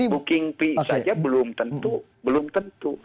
booking peak saja belum tentu belum tentu